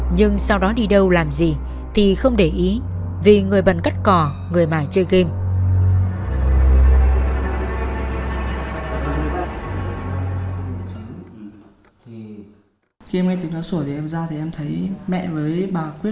nhưng sau đó đi đâu làm gì thì không để ý vì người bận cắt cỏ người mà chơi game